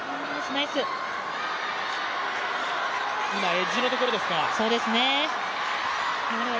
エッジのところですが？